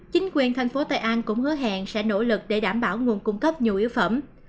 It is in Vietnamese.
chính quyền thành phố tây an cũng hứa hẹn sẽ nỗ lực để đảm bảo nguồn cung cấp nhiều yếu phẩm